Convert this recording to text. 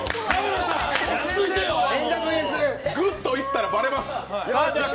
グッといったらバレます！